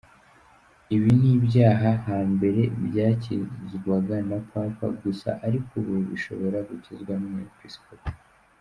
Ibi ni ibyaha hambere byakizwaga na Papa gusa ariko ubu bishobora gukizwa n’Umwepisikopi.